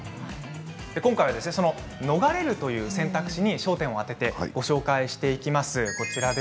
今回、逃れるという選択肢に焦点を当ててご紹介していきます。